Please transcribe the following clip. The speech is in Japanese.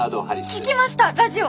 聴きましたラジオ！